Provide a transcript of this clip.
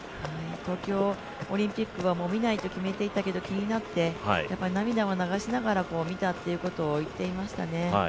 東京オリンピックはもう見ないと決めていたけど、気になって、涙を流しながら見たということを言っていましたね。